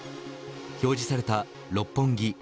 表示された六本木